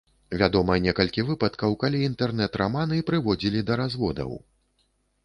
Вядома некалькі выпадкаў, калі інтэрнэт раманы прыводзілі да разводаў.